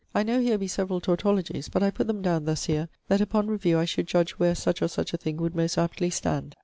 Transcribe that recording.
I know here be severall tautologies; but I putt them downe thus here, that upon reviewe I should judge where such or such a thing would most aptly stand.